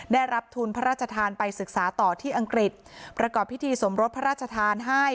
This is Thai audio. ได้รับทุนพระราชทานไปศึกษาต่อที่อังกฤษประกอบพิธีสมรสพระราชทานให้